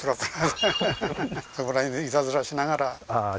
そこら辺でいたずらしながらああー